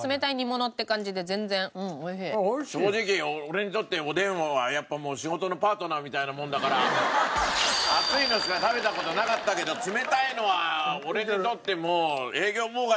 正直俺にとっておでんは仕事のパートナーみたいなものだから熱いのしか食べた事なかったけど冷たいのは俺にとってもう。